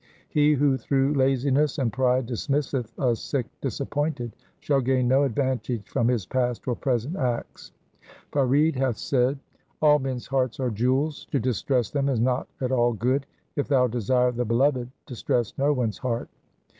1 ' He who through laziness and pride dismisseth a Sikh disappointed, shall gain no advantage from his past or present acts. Farid hath said :— 1 Guru Ram Das, Gauri. LIFE OF GURU HAR RAI 287 All men's hearts are jewels ; to distress them is not at all good : If thou desire the Beloved, distress no one's heart.